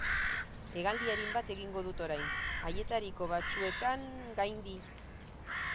Hegaldi arin bat egingo dugu orain haietariko batzuetan gaindi.